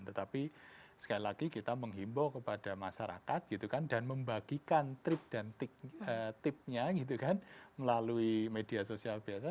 tetapi sekali lagi kita menghimbau kepada masyarakat gitu kan dan membagikan trip dan tipnya gitu kan melalui media sosial biasa